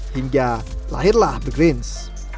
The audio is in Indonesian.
hingga lahirlah the greens